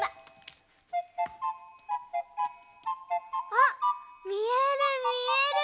あっみえるみえる。